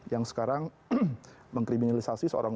yang sekarang mengkriminalisasi seorang